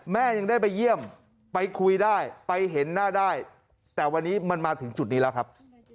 ยังได้ไปเยี่ยมไปคุยได้ไปเห็นหน้าได้แต่วันนี้มันมาถึงจุดนี้แล้วครับ